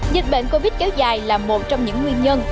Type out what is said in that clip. dịch bệnh covid kéo dài là một trong những nguyên nhân